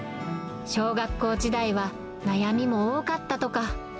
小学校時代は悩みも多かったとか。